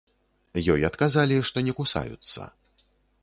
Ёй адказалі, што не кусаюцца.